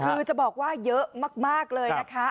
คือจะบอกว่าเยอะมากเลยนะคะ